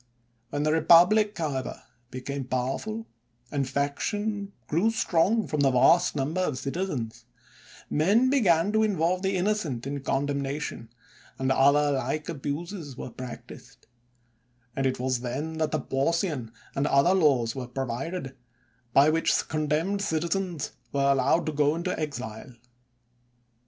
When the republic, however, became powerful, and faction grew strong from the vast number of citizens, men began to involve the innocent in condemna tion, and other like abuses were practised ; and it was then that the Porcian and other laws were provided, by which condemned citizens were al lowed to go into exile.